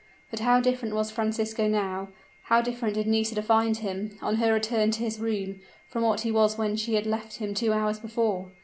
But how different was Francisco now how different did Nisida find him, on her return to his room, from what he was when she had left him two hours before!